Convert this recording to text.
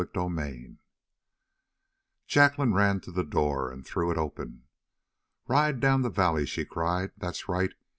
CHAPTER 31 Jacqueline ran to the door and threw it open. "Ride down the valley!" she cried. "That's right.